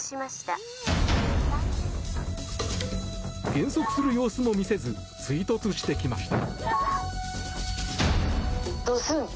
減速する様子も見せず追突してきました。